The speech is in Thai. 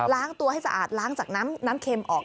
ตัวให้สะอาดล้างจากน้ำเค็มออก